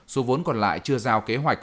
số vốn còn lại chưa giao kế hoạch